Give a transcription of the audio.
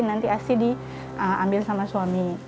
nanti asi diambil sama suami